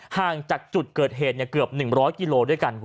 ห่างจากจุดเกิดเหตุเกือบ๑๐๐กิโลด้วยกัน